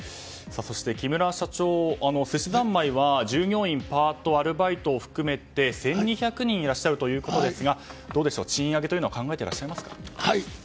そして木村社長すしざんまいは従業員パート、アルバイトを含めて１２００人いらっしゃるということですが賃上げは考えていらっしゃいますか？